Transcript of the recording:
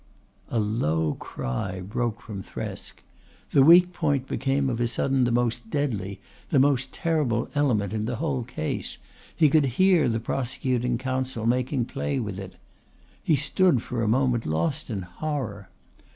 A low cry broke from Thresk. The weak point became of a sudden the most deadly, the most terrible element in the whole case. He could hear the prosecuting counsel making play with it. He stood for a moment lost in horror.